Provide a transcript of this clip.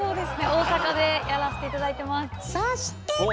大阪でやらせて頂いてます。